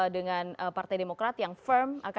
dengan partai demokrat yang firm